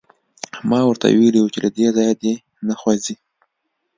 ما ورته ویلي وو چې له دې ځایه دې نه خوځي